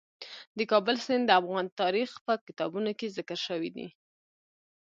د کابل سیند د افغان تاریخ په کتابونو کې ذکر شوی دي.